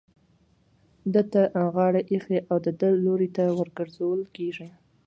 ده ته غاړه ايښې او د ده لوري ته ورگرځول كېږي.